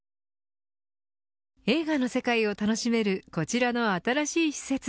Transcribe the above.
映画の世界を楽しめるこちらの新しい施設